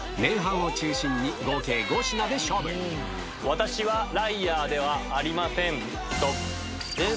私はライアーではありませんストップ！